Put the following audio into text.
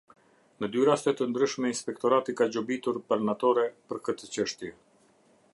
Në dy raste të ndryshme, Inspektorati ka gjobitur barnatore për këtë çështje.